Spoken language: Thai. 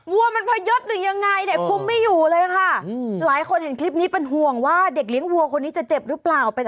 วัวมันพยศหรือยังไงเนี่ยคุมไม่อยู่เลยค่ะหลายคนเห็นคลิปนี้เป็นห่วงว่าเด็กเลี้ยงวัวคนนี้จะเจ็บหรือเปล่า